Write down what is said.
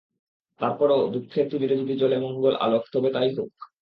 তার পরও দুঃখের তিমিরে যদি জ্বলে মঙ্গল আলোক, তবে তা-ই হোক।